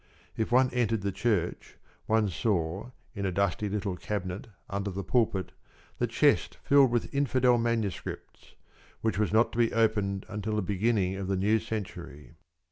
If one entered the church, one saw in a dusty little cabinet under the pulpit the chest filled with infidel manuscripts, which was not to be opened until the beginning of the new century.